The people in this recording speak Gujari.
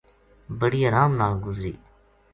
بڑی ارام نال گزری